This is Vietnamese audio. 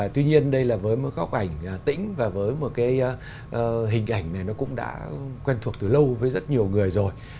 tuy nhiên đây là với một góc ảnh tĩnh và với một cái hình ảnh này nó cũng đã quen thuộc từ lâu với rất nhiều người rồi